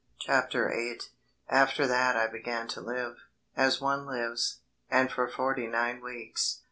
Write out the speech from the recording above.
CHAPTER EIGHT After that I began to live, as one lives; and for forty nine weeks.